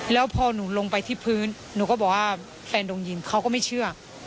แล้วพอหนูลงไปที่พื้นหนูก็บอกว่าแฟนโดนยิงเขาก็ไม่เชื่อ